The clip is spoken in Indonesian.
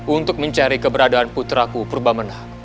untuk mencari keberadaan putraku prwamunak